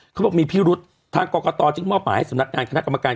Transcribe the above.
เขาบอกมีพิรุษทางกรกตจึงมอบหมายให้สำนักงานคณะกรรมการ